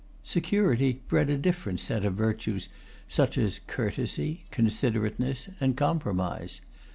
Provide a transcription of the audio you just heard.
Security bred a different set of virtues, such as courtesy, considerateness, and compromise.